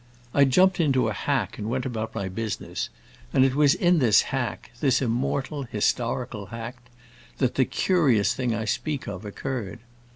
I jumped into a hack and went about my business, and it was in this hack—this immortal, historical hack—that the curious thing I speak of occurred.